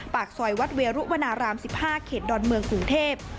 ปากซอยวัดเวรุวนาราม๑๕เขตดอนเมืองกรุงเทพ